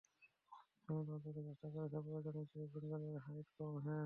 তুমি তো অন্তত চেষ্টা করেছ প্রয়োজনের চেয়ে গুঞ্জনের হাইট কম - হ্যাঁ।